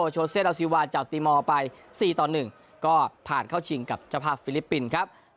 โชเซราซีวาจากตีมอร์ไป๔ต่อ๑ก็ผ่านเข้าชิงกับเจ้าภาพฟิลิปปินส์ครับ